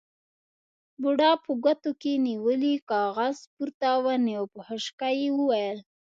بوډا په ګوتو کې نيولی کاغذ پورته ونيو، په خشکه يې وويل: